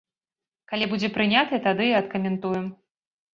Калі будзе прыняты, тады і адкаментуем.